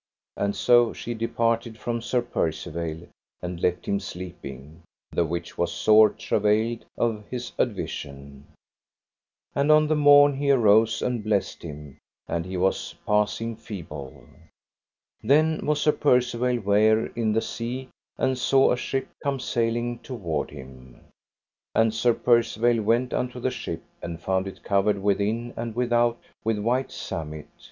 And so she departed from Sir Percivale and left him sleeping, the which was sore travailed of his advision. And on the morn he arose and blessed him, and he was passing feeble. Then was Sir Percivale ware in the sea, and saw a ship come sailing toward him; and Sir Percivale went unto the ship and found it covered within and without with white samite.